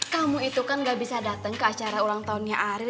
kamu itu kan gak bisa datang ke acara ulang tahunnya ari